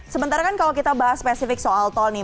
sementara kan kalau kita bahas spesifik soal tol nih